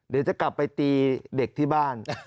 เดี๋ยวจะกลับไปตีเด็กที่บ้าน